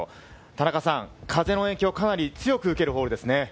田中さん、風の影響、かなり強く受けるホールですね。